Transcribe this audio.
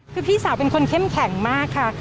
คือพี่สาวเป็นคนเข้มแข็งมากค่ะ